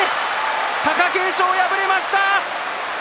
貴景勝、敗れました。